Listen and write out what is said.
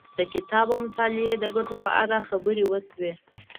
د کتاب او مطالعې د ګټو په اړه خبرې وشوې.